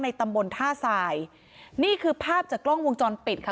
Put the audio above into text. ตำบลท่าทรายนี่คือภาพจากกล้องวงจรปิดค่ะ